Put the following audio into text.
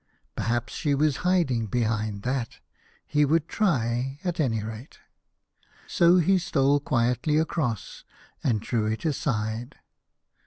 Perhaps she was hiding behind that ? He would try at any rate. So he stole quietly across, and drew it aside.